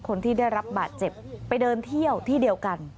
คนที่ได้รับบาดเจ็บไปเดินเที่ยวที่เดียวกัน